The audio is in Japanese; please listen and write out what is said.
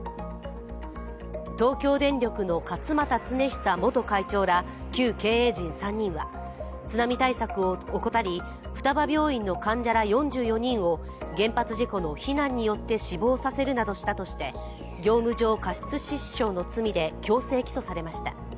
東京電力の勝俣恒久元会長ら旧経営陣３人は津波対策を怠り、双葉病院の患者ら４４人を原発事故の避難によって死亡させるなどしたとして業務上過失致死致傷の罪で強制起訴されました。